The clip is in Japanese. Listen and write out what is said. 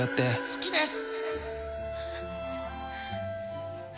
好きです！